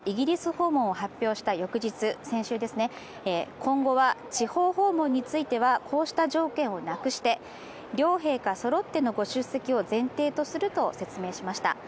これについて宮内庁は、イギリス訪問を発表した翌日先週、今後は地方訪問についてはこうした条件をなくして、両陛下そろってのご出席を前提とすると説明しました。